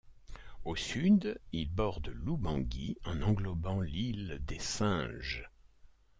Au sud, il borde l’Oubangui en englobant l’île des singes.